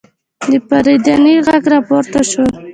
د پارېدنې غږ راپورته شو.